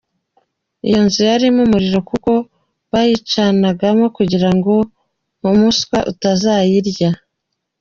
Iyo nzu yarimo umuriro kuko bayicanagamo kugira ngo umuswa utazayirya.